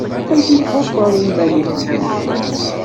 Amek i tḥulfaḍ iman-ik zgelli?